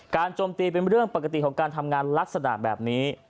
โจมตีเป็นเรื่องปกติของการทำงานลักษณะแบบนี้